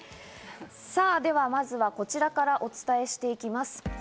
さぁ、ではまずはこちらからお伝えしていきます。